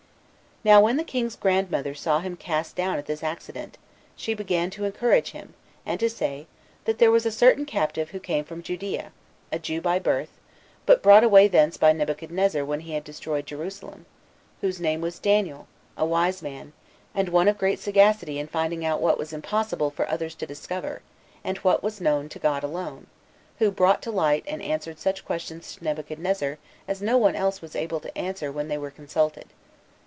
Now when the king's grandmother saw him cast down at this accident, 24 she began to encourage him, and to say, that there was a certain captive who came from Judea, a Jew by birth, but brought away thence by Nebuchadnezzar when he had destroyed Jerusalem, whose name was Daniel, a wise man, and one of great sagacity in finding out what was impossible for others to discover, and what was known to God alone, who brought to light and answered such questions to Nebuchadnezzar as no one else was able to answer when they were consulted.